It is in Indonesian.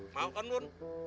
mau kan wun